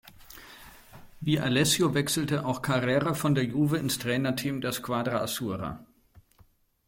Wie Alessio wechselte auch Carrera von der "Juve" ins Trainerteam der "Squadra Azzurra".